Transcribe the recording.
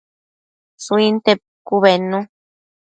Shuinte pucu bednu